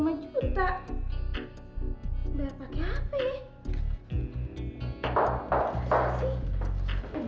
udah pake hp